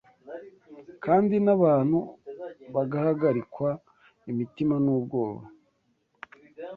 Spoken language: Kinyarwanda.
kandi n’abantu bagahagarikwa imitima n’ubwoba